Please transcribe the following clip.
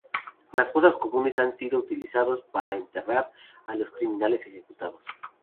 Las fosas comunes han sido utilizados para enterrar a los criminales ejecutados.